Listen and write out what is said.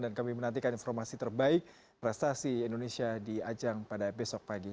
dan kami menantikan informasi terbaik prestasi indonesia di ajang pada besok pagi